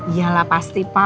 iya lah pasti pa